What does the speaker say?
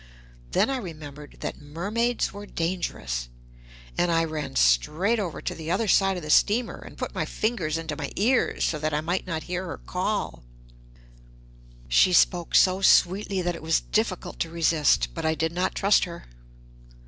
Then I remembered that mermaids were dangerous, and I ran straight over to the other side of the steamer and put my fingers into my ears, so that I might not hear her call. She spoke so sweetly that it was difficult to resist, but I did not trust her.